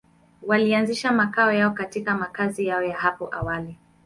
Walianzisha makao yao katika makazi yao ya hapo awali.